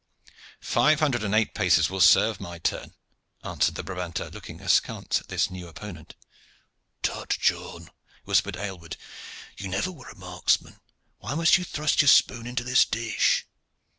"Five hundred and eight paces will serve my turn," answered the Brabanter, looking askance at this new opponent. "Tut, John," whispered Aylward, "you never were a marksman. Why must you thrust your spoon into this dish?"